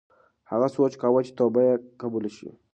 هغه سوچ کاوه چې توبه یې قبوله شوې.